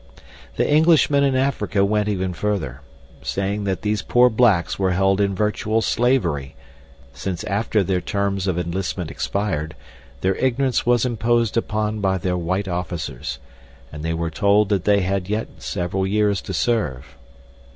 The Englishmen in Africa went even further, saying that these poor blacks were held in virtual slavery, since after their terms of enlistment expired their ignorance was imposed upon by their white officers, and they were told that they had yet several years to serve.